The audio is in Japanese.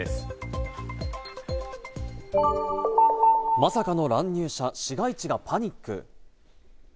まさかの乱入者、市街地がパニック。